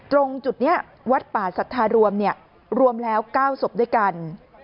ตรงจุดนี้วัดป่าสัทธารวมรวมแล้ว๙ศพด้วยกัน